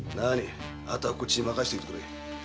〔あとはこっちにまかしといてくれ〕